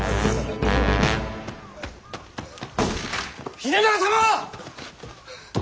秀長様！